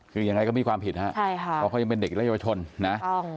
คือยังไงก็มีความผิดนะครับเพราะเขายังเป็นเด็กได้ยอดทนนะ